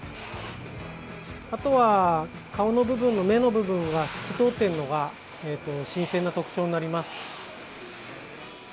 あとは顔の部分の目の部分は透き通っているのが新鮮な特徴になります。